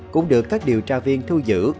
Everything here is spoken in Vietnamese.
cũng được các điều tra viên thu giữ